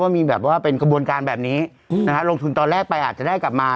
มีแบบว่าเป็นกระบวนการแบบนี้ลงทุนตอนแรกไปอาจจะได้กลับมา